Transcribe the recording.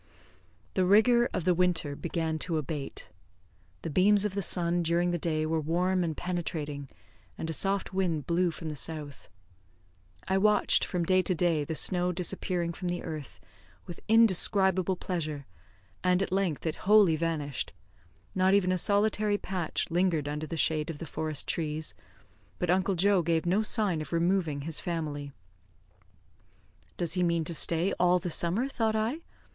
The rigour of the winter began to abate. The beams of the sun during the day were warm and penetrating, and a soft wind blew from the south. I watched, from day to day, the snow disappearing from the earth, with indescribable pleasure, and at length it wholly vanished; not even a solitary patch lingered under the shade of the forest trees; but Uncle Joe gave no sign of removing his family. "Does he mean to stay all the summer?" thought I.